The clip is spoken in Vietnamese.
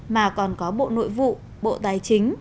mà còn có bộ nội vụ bộ tài chính